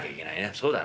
そうだな。